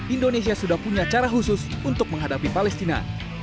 indonesia sudah punya cara khusus untuk menghadapi palestina